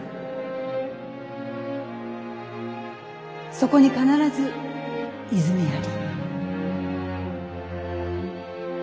そこに必ず泉あり」。